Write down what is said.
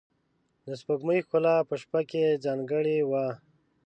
د سپوږمۍ ښکلا په شپه کې ځانګړې وه.